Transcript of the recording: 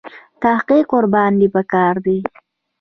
تحقیق ورباندې په کار دی.